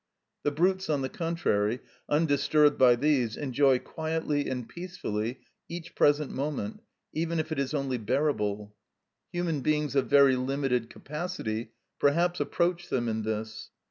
The brutes, on the contrary, undisturbed by these, enjoy quietly and peacefully each present moment, even if it is only bearable. Human beings of very limited capacity perhaps approach them in this.